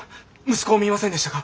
息子を見ませんでしたか？